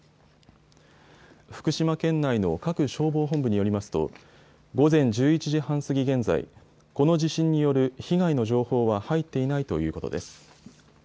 福島県内の各消防本部によりますと午前１１時半過ぎ現在、この地震による被害の情報は入っていないということです。